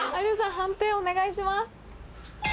判定お願いします。